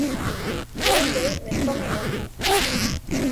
இரும்பு வெப்பம் இழக்கும்.